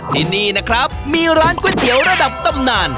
ที่นี่นะครับมีร้านก๋วยเตี๋ยวระดับตำนาน